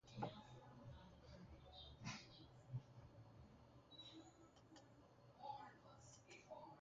The house was later turned into an inn by Marden.